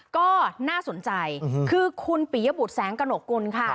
ก็น่าสนใจคือคุณปิยบุตรแสงกระหนกกุลค่ะ